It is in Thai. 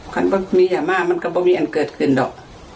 เพราะว่ามียามากมันก็ไม่มีอันเกิดขึ้นหรอก